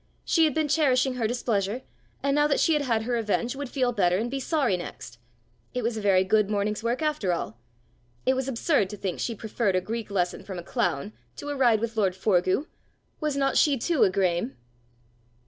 She had been cherishing her displeasure, and now that she had had her revenge would feel better and be sorry next! It was a very good morning's work after all! It was absurd to think she preferred a Greek lesson from a clown to a ride with lord Forgue! Was not she too a Graeme!